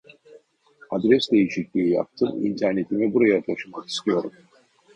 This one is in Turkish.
Adres değişikliği yaptım internetimi buraya taşımak istiyorum